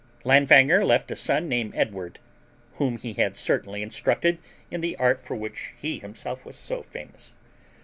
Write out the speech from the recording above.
Langfanger left a son named Edward, whom he had carefully instructed in the art for which he himself was so famous.